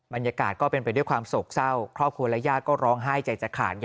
บรรยากาศก็เป็นไปด้วยความโศกเศร้าครอบครัวและญาติก็ร้องไห้ใจจะขาด